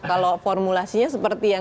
kalau formulasinya seperti ini